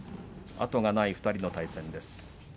後がない２人の対戦です。